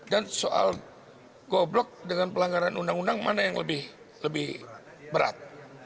dan soal goblok dengan pelanggaran undang undang mana yang lebih berat